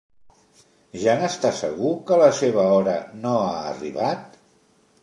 Ja n'està segur que la seva hora no ha arribat?